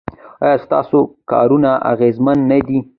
ایا ستاسو کارونه اغیزمن نه دي؟